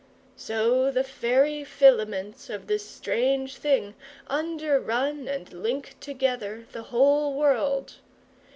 So the fairy filaments of this strange thing underrun and link together the whole world.